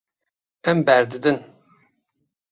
Em berdidin.